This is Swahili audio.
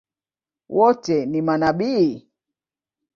Wote ni manabii?